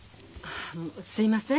すいません。